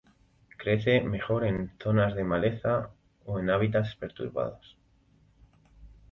Crece mejor en zonas de maleza o en hábitats perturbados.